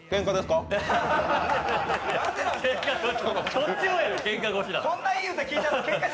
そっちもやろ、けんか腰。